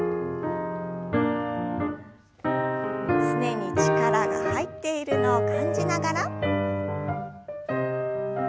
すねに力が入っているのを感じながら。